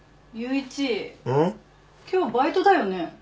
今日バイトだよね？